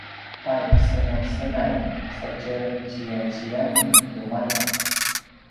pai senasenai satje ziyaziyani numaya